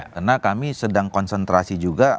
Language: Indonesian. karena kami sedang konsentrasi juga